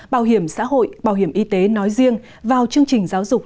bảo hiểm xã hội bảo hiểm y tế nói riêng vào chương trình giáo dục